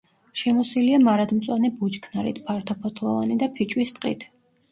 შემოსილია მარადმწვანე ბუჩქნარით, ფართოფოთლოვანი და ფიჭვის ტყით.